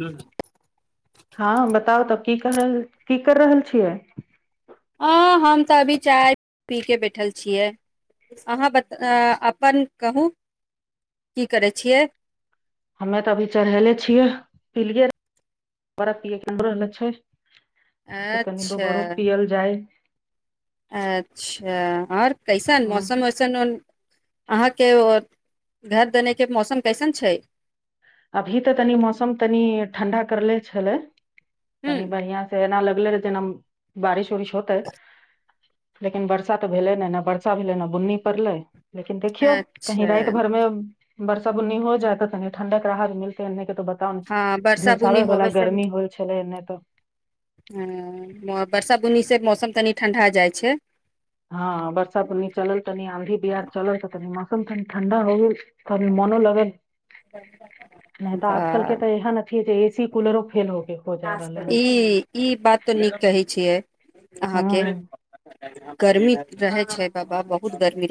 हन हँ बताउ तब की की कर रहल छियै हँ हम तऽ अभी चाय पी कऽ बैठल छियै अहाँ बता अपन कहू की करै छियै हमे तऽ अभी चढ़ेले छियै पिय छै जे कनि दो अच्छा बरो पीअल जाइ अच्छा आओर कैसन ह मौसम वौसम अहाँके घर देनेके मौसम कैसन छै अभी तऽ तनि मौसम तनि ठण्डा करले छलै हूँ तनी बढ़िया से एना लग जेना बारिश-उरिश होते लेकिन बर्षा तऽ भेले नहि वर्षा भेलै न बुन्नी पड़लै लेकिन देखियौ कही अच्छा राति भरमे बरसा बुन्नी हो जाय तनी ठण्डा राहत मिलत एन्ने क हँ बर्षा बुनी होबे से ह होल छले एने तो बर्षा बुनी से मौसम तनी ठण्डा जाइ छै हँ बर्षा बुन्नी चलल तनी आंधी बिहार चल तऽ तनी मस्त त ठण्डा हो गेल त मनो लागल नहि तऽ आजकल के बा- तऽ एह नै जे स कुलरो फे ई ई बात तऽ नीक कहै छियै अहाँके हूं गरमी रहे छै बाबा बहु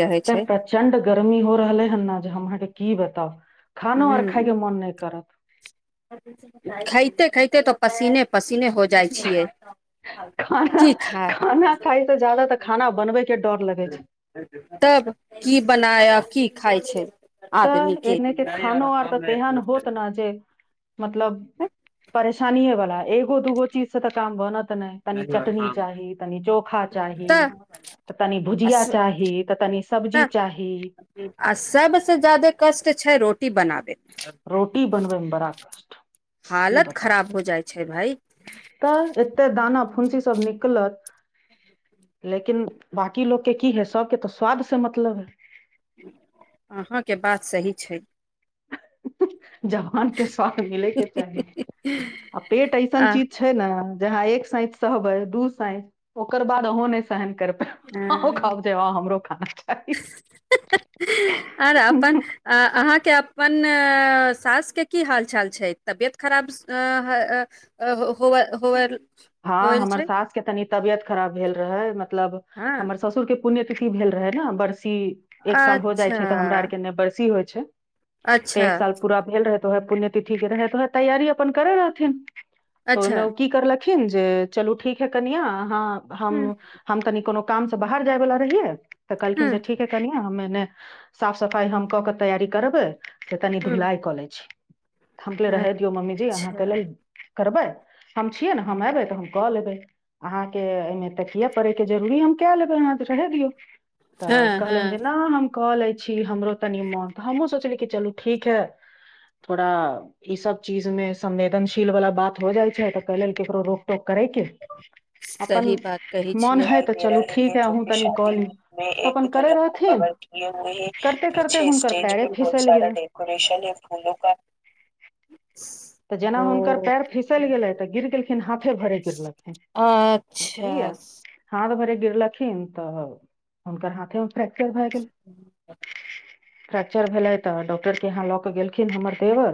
एते प्रचंड गर्मी हो रहले हेन ने जे हमके की बता त खानो आर खाइके मन नहि करत खाइते-खाइते त पसीने पसी हो जाइ छियै खाना की खा खाना खाइ से ज्यादा तऽ खाना बनबे के डर लगै छै तब की बनाय आ की खाइ छै तऽ एने के खानो आर तऽ तेहन होत ने जे मतलब परेशानी वला एगो दूगो चीजऽ स तऽ काम बनत नहि तनी चटनी चाही तनी चोखा चाही तऽ तऽ तनि भुजिया चाही तऽ तनि सब्जी तऽ चाही आ सबसँ ज्यादे कष्ट छै रोटी बनाबे रोटी बनबै मे बड़ा कष्ट की हालत बताउ खराब हो जाइ छै भाइ तऽ एतऽ दान हाँ फुंसी सब निकलत लेकिन बांकी लोकके की हइ सबके तऽ स्वाद से मतलब हइ अहाँके बात सही छै ह-हह जवान के साथ मिलै के चाही आ पेट ऐसन आ चीज छै न जहाँ एक सांयत सहबे दू सांयत ओकर बाद अंहों ने सहम हमरो खाना खाइ आर अपन अहाँके अपन सासके की हाल चाल छै तबियत खराब ऐं होव-हो -होवल हँ होवल हमर छै सास के तनि तबियत खराब भेल रहै म- मतलब हँ हमर ससुरके पुण्यतिथि भेल रहै ने बर- एक साल हो जाइ अच्छा छै तऽ हमरा आर के ने बरसी होइ छै तऽ अच्छा एक साल पूरा भेल रहै उहए पुण्यतिथि के रहै उहे तैयारी अपन करै रहथिन तऽ अच्छा ओहिमे ओ की करलक- -खिन जे चलू ठीक है कनियाँ अहाँ हम हूँ हम तनी कोनो काम से बाहर जाइ वला रहियै तऽ कहलखिन हूँ जे ठीक हइ कनियाँ हमे ने साफ सफाइ हम कऽ क तैयारी करबै से तनि हूँ धूलाइ कऽ लै छी थमके रहै दियौ मम्मी जी अच्छा अहाँके लेल करबै हम छी छियै ने हम एबै तऽ हम कऽ लेबै अहाँके एहिमे तऽ किए पड़ैके जरूरी हम कए लेबै अहाँ तऽ चढ़े दियौ तऽ हँ कहलन जे हँ न हम क लै छी हमरो तनि मन हमहुँ सोचली चलू ठीक हइ थोड़ा ई सब चीज मे संवेदनशील वला बात हो जाइ छै तऽ कै लेल केकरो रोकटोक सही बात कहै छियै मोन है तऽ चलू ठीक है अहूँ तनि कऽ लियौ तऽ अपन करे रहथिन करते करते हुनकर पैरे फिसल गेलै [unintelligible] तऽ जेना हुनकर ओ पैर फीसल गेले तऽ गिर गेले हहा भरे गिरलखे अच्छा बुझलियै हा त भरे गिरलखिन तऽ हुनकर हाथे लास्टर भ गेल फ्रैेक्चर भेलै तऽ डॉक्टर के यहाँ लऽ के गेलखिन हमर देवर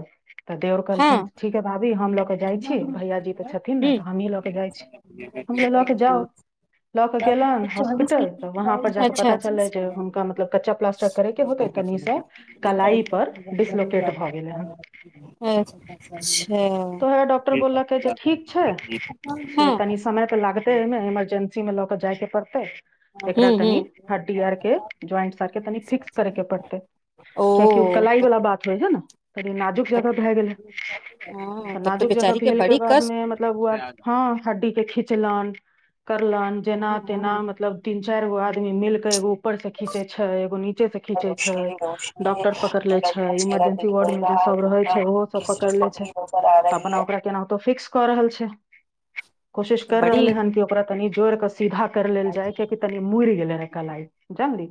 तऽ देव खिन हँ ठीक हइ भाभी हम लऽ कऽ जाइ छी भैयाजी तऽ छथिन ने हूँ तऽ हमहीँ लऽ कऽ जाइत छी हमऽ लऽ कऽ जाउ लऽ केऽ गेल चौबीस में हॉस्पिटल की तऽ खिलाड़ी वहाँपर थी, जाकऽ अच्छा पता चललै पच्चीस जे में। हुनका मतलब कच्चा प्लास्टर करैके होतै तनिसँ कलाइपर डिसलट भऽ गेलै हन अच्छा तऽ हए डॉक्टर बोललकै जे ठीक छै से हँ तनी समय तऽ लागते एहिमे इमरजेंसी मे ल ऽ जाइके पड़तै हूँ एकरा तनि हूँ हड्डी आर के ज्वइंटस आर के तनि फिक्स करे के पड़ते कियाकि ओ कलाई तब वालला बात होइ छै ने तनी नाजुक तब जगह भए गेले हँ त तब तऽ नाजुक जगह बेचारी भेल के बड़ी कष्ट बादमे मतलब ओ आर हँ हड्डी के खिचलनि करलनि जेना तेना मतलब दिन चारि गो आदमी मिलक एगो ऊपर से खींचे छै एगो नीचे से खींचे छै डॉक्टर पकड़ ले छै इमरजेंसी वार्ड में जे सब रहे छै ओहो सब पकड़ ले छै अपना ओकरा केनातो फिक्स कऽ रहल छै कोशिश कर बड़ी रहले हन कि ओकरा तनि जोड़ क सीधा कर लेल जाय कियकि तनी मुड़ी गेल कलाई ज ली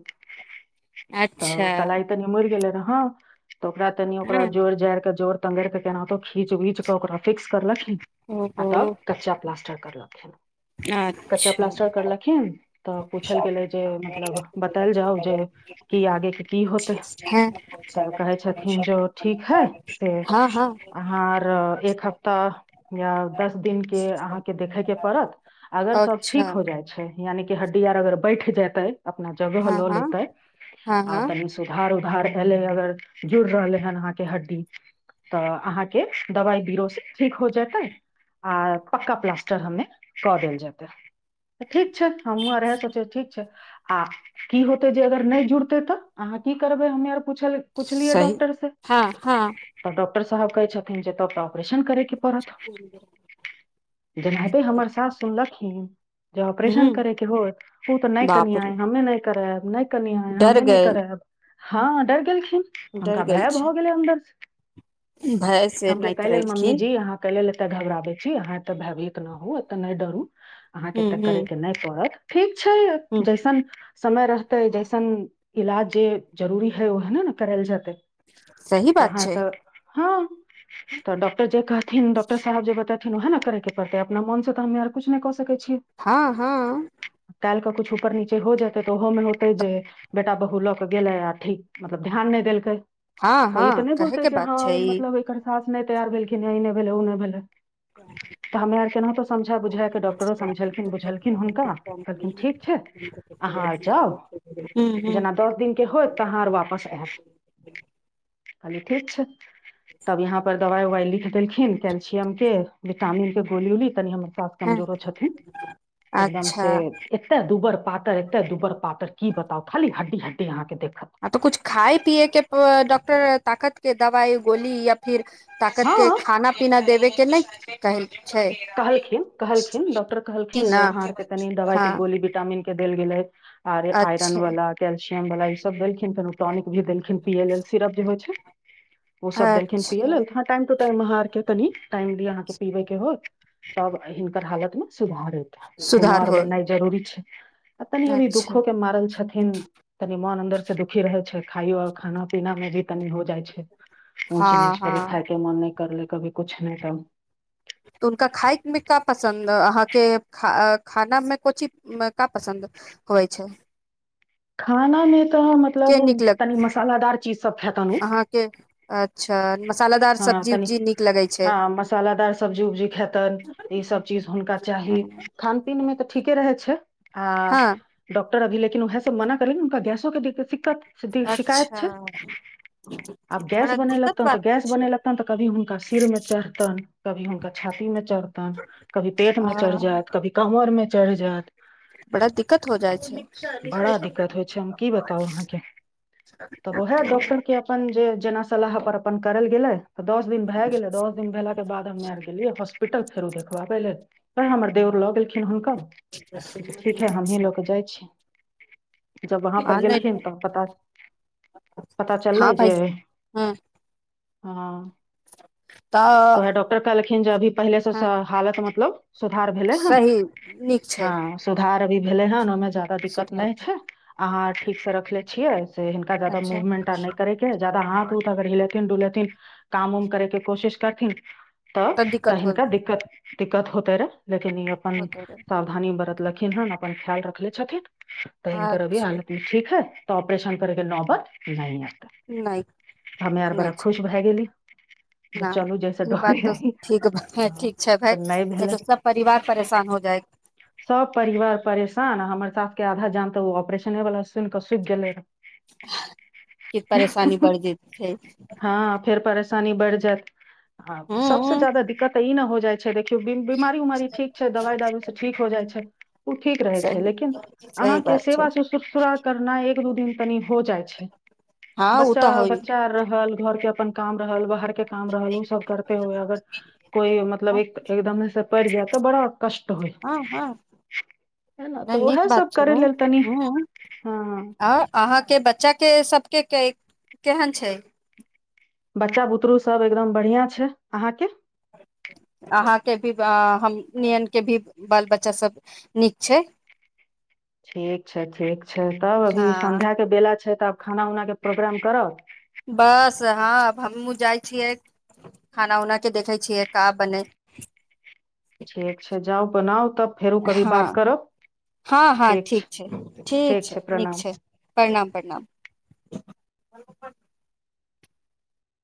त अच्छा कल कलाइ तऽ मुड़ी गेलै रह हँ तऽ ओकरा तनि ओकरा हँ जोड़ जड़िके जोड़ त केहनातो खीच विच के ओकरा फिक्स करलखऽ आ ओहो तब कच्चा प्लास्टर कर लक् ने कच्चा अच्छा प्लास्टर करलखिन तऽ पूछल गेलै जे मतलब बतायल जाउ जे की आगेके की होतै तऽ कहै छथिन जे ओ ठीक है हँ हँ अहाँ आरऽ एक हप्ताह या दस दिन अहाँ के देखैत के परत अगर सब अच्छा ठीक हो जाइ छै यानि कि हड्डी आर अगर बैठ जेतै अपन जगह हँ लऽ हँ लेते हँ आ हँ तनि सुधार उ घर एलै अगर जुड़ रहलै हन अहाँके हड्डी तऽ अहाँके दवाइ बीरो से ठीक हो जेतै आ पक्का प्लास्टर हमे कऽ देल जेतै ठीक छ छै हमहुूं आर रहे सोचे ठीक छै आ की होतै जे अगर नहि जुड़तै तऽ अहाँ की करबै हमे आर ल पूछलियए सही डाँक्टर से हँ हँ डॉक्टर साहब कहै छथिन जे तऽ ऑपरेशन करैके पड़त जेनाहिंतै हमर सास सुनलखिन जे ऑपरेशन हूँ करैके होत ओ तऽ नहि बाप कनियाँ यै रे हममे नहि कराब नहि कनियाँ यै डर हमे नहि गेल कराब हँ डर गेल खि- डर हुनका गेल भय छै भऽ गेलै अन्दर से भय से नहि करेलखिन एत घबराबे छी अहाँ एत्ते भेयवित न होउ एते नहि डरू अहाँके हूँ तऽ हूँ करैय के नहि पड़त ठीक छै हूँ जैसन समय रहतै जैसन इलाज जे जरूरी हइ ओहे ने ने करायल जेतै सही बात छै हाँ तऽ डॉक्टर जे कहथिन डॉक्टर साहेब जे बता- उएहा न कराके पड़तै अपना मन से तऽ हमें आर कुछ नहि कऽ सकै छियै हँ हँ काल्हि कऽ किछु ऊपर नीचे हो जेतै तऽ ओहोमे होतै जे बेटा बहु लऽ केऽ गेलै आ ठीक मतलब ध्यान नहि देलकै हँ हँ कहै के बात छै ऐं ई मतलब एकर सास नहि तैयार भेलखिन या ई नहि भेलै ओ नहि भेलै तऽ हमे आर केनाहितो समझा बुझाक डॉक्टरो समझेलखिन बुझेलखिन हुनका कहलखिन ठीक छै अहाँ आर हूँ जाउ हूँ जेना दस दिनक के होत तऽ अहाँ आर वापस आयब कहलियै ठीक छै तब इहाँ पर डॉ- दवाइ उवाइ लिख देलखिन कैेल्शियम के विटामिन के गोली उली तनि हम कमजोरो छथिन एकदम अच्छा से एते दूबर पातर एते दुबर पातर की बताउ खाली हड्डी हड्डी अहाँके देख हँ तऽ कुछ खाए पीयै के डॉक्टर ताकत के दवाई गोली या फिर ताकत के हँ खाना पीना देबै के नहि काल्हि कहलखिन कहलखिन डॉक्टर कि कहलखिन न जे अहाँ आरके तनि दवाइ के हँ गोली विटामिन के देल गेलै आरे आयरन अच्छा वाला क सिय वाला ई सब देलखिन प्रानिक भी देलखिन पीयै लेल ए सिरप जे होइ छै ओ सब देलखिन पियल अच्छा त टाइमहाररके तनी टाइम दी अहाँके पीबे के होत तब हिनकर हालत में सुधारे खूनो सुधार आर होय बननाइ जरूरी छै आ तनि अभी अच्छा दुखो के मारल छथिन तनि मन अन्दर से दुखी रहै छै खाइयो आ खाना पीना मे भी तनी हो जाइ छै ऊंच हँ निच हँ कनै खाके मन करले कभी कुछ नहि त तऽ हुनका खायमे का पसन्द अहाँके खानामे को ची क पसन्द होइ छै खाना मे खाना में के मतलब नीक लग तनि मसालादार चीज सब खेतन ऊ अहाँके अच्छा मसालादार हँ सब्जी तनि उब्जी नीक लगै छै हँ मसासादार सब्जी- उब्जी खेतन ई सब चीज हुनका चाहि खान- पीन में त ठीके रहय छै हँ डा डाँक्- अभी लेकिनएह से मना करे ने हुनका गैसो के दिक्कत शिकायत अच्छा छै ई आब तऽ गैस बड़ा बन दिक्कत लगतैन तऽ बात गैस बन छै लगतैन तऽ कभी हुनका सिर मे चढ़तनि कभी हुनक छातीमे चढतैन कभी पेट मे चढ़ि हँ जायत कभी कमर मे चढिजात बड़ा दिक्कत हो जाइ छै बड़ा दिक्कत होइ छै हम की बताउ अहाँके तब ओएहे डॉक्टर के अपन जे जेना सलाह पर अपन करल गेलै तऽ दस दिन भए गेलै दस दिन भेलाके बाद हमे आबि गेलियै हॉस्पिटल फेरो देखबऽ पहिले त हमर देउर ल गेलखिन हुनका ठीक है हमहीं ल के जाइ छी जब वहाँ पर हँ नहि गेलखिन तऽ पता पता चललै हँ भाय जे हँ हँ तो तऽ है डॉक्टर कइल ज भी पहिलेसँ हँ सब हालत मतलब सुधार भेलै हन सही नीक हँ छै सुधार इ भेलै न नमज जादा दिककत सुधार नहि भेल। छै अहाँ ठीक से रखले छियै से हिनका जादा अच्छा मूवमेन्ट आर नहि करैके जादा हाथ उथ अगर हिलेथिन डुलेथिन काम उम करैके कोशिश करथिन तब तऽ त दिक्कत हो हिनका दिक्कत दिक्कत होत तर लेकिन ई अपन होतो रहे सावधानी बरत लखिन हन अपन ख्याल रखले छथिन तऽ इननक अभी अच्छा हालतमे ठीक है तऽ अपरेशन करके नौबत नै एत नहि नहि छै भए गेली जे न चलू जैसे ई बात डरे त रही ठीक हँ ठीक छै भइ तऽ नहि तऽ सब परिवार परेशान हो जाए सभ परिवार परेशान हमर सासके आधा जान त ओ ऑपरेशने वालला सुनि कऽ सुखि गेले रह कि परेशानी बढ़ जेत छै हँ फेर परेशानी बढ़ जायत हँ सबसँ ज ह जााददा दिक्कतऽ ई न हो जाइ देखियौ बीमारी उमारी ठीक छै दवाइ दारू से ठीक हो जाइ छै ओ ठीक रहै छै सही लेकिन सही अहाँके बात छै सेवारा करना दू दिन तनि हो जाइ छै हँ ओ बच्चा तऽ होइ बच्चा रहल घर के अपन काम रहल बाहर के काम रहल ओ सब करे हुए अगर कोइ मतलब हँ एक एकदम पर जात त बड़ा कष्ट होइ हँ हँ है ने तऽ नीक उएह बात सब छै करे लेल तनी ह हँ आ अहाँके बच्चा के सब के के केहन छै बच्चा बुतरु सब एकदम बढ़ियां छै अहाँके अहाँके भी हमनियनके भी बाल बच्चासभ नीक छै ठीक छै ठीक छै तब अभी हँ सन्ध्याके बेला छै तऽब खाना उना के प्रोग्राम कर बस हँ हमहुँ जाइ छियै खाना उना के देखै छि यै का बनेै ठीक छै जाउ बनाउ तब फेरो कभी हँ बात करब हँ हँ ठीक छै ठीक छै नीक छै प्रणाम प्रणाम